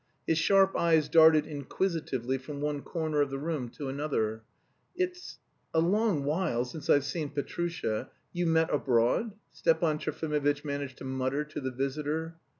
His sharp eyes darted inquisitively from one corner of the room to another. "It's.... a long while since I've seen Petrusha.... You met abroad?" Stepan Trofimovitch managed to mutter to the visitor.